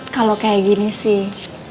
kalau kayak gini sih